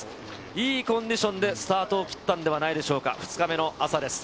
いいコンディションでスタートを切ったんではないでしょうか、２日目の朝です。